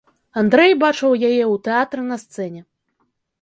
Андрэй бачыў яе ў тэатры на сцэне.